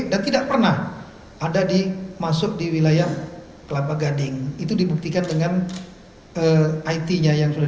dan tidak pernah ada di masuk di wilayah kelapa gading itu dibuktikan dengan it nya yang sudah